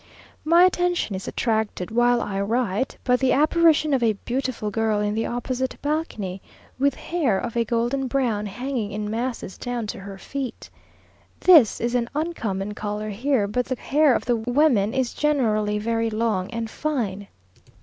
My attention is attracted, while I write, by the apparition of a beautiful girl in the opposite balcony, with hair of a golden brown hanging in masses down to her feet. This is an uncommon colour here; but the hair of the women is generally very long and fine.